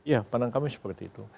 ya pandangan kami seperti itu